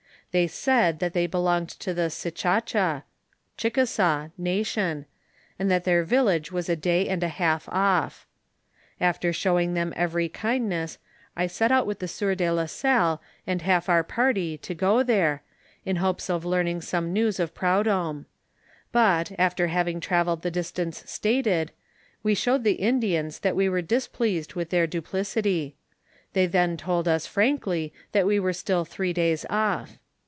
They said, that they belonged to the Sicacha (Chickasaw) nation, and that their village was a day and a half off. After showing them every kindness, I set out with the sieur de la Salle and half our party to go there, in hopes of learning some news of Prud homme ; but after having travelled the distance stated, we showed the Indians that we were displeased with their du plicity ; they then told us frankly, that we were still three days off.